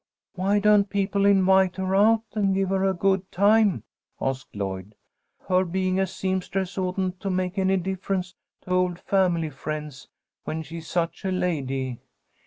"Why don't people invite her out and give her a good time?" asked Lloyd. "Her being a seamstress oughtn't to make any difference to old family friends, when she's such a lady."